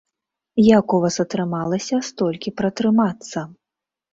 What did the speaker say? Як у вас атрымалася столькі пратрымацца?